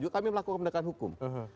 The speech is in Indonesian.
juga kami melakukan penegakan hukum